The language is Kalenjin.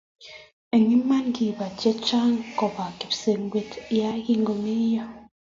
eng' iman kiba che chang' ko kiba kipsengwet ya kakumeyo